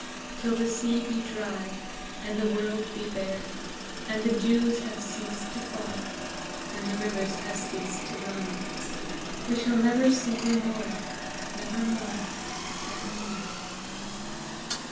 Till the sea be dry, and the world be bare, And the dews have ceased to fall, And the rivers have ceased to run, We shall never see you more, Never more, never more!